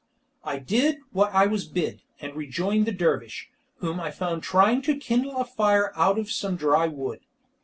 I did what I was bid, and rejoined the dervish, whom I found trying to kindle a fire out of some dry wood.